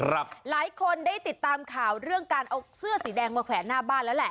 หลายคนได้ติดตามข่าวเรื่องการเอาเสื้อสีแดงมาแขวนหน้าบ้านแล้วแหละ